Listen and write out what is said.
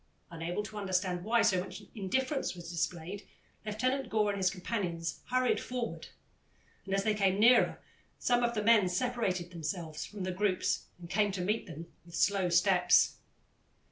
Unable to understand why so much indifference was displayed, Lieutenant Gore and his companions hurried forward, and, as they came nearer, some of the men separated themselves from the groups and came to meet them with slow steps.